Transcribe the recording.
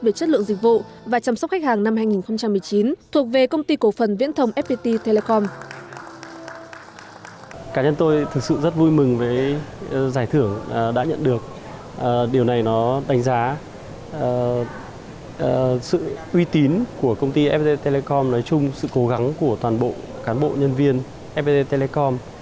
về chất lượng dịch vụ và chăm sóc khách hàng năm hai nghìn một mươi chín thuộc về công ty cổ phần viễn thông fpt telecom